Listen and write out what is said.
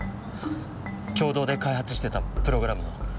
共同で開発してたプログラムの。